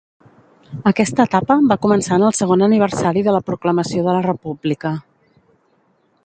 Aquesta etapa va començar en el segon aniversari de la proclamació de la República.